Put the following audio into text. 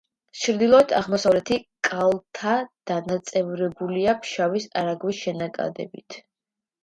ჩრდილოეთ-აღმოსავლეთი კალთა დანაწევრებულია ფშავის არაგვის შენაკადებით.